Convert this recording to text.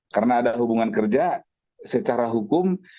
karena ada hubungan kerja secara hukum